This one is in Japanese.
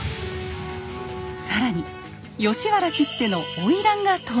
更に吉原きっての花魁が登場！